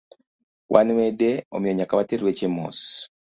Wan wede, omiyo nyaka water weche mos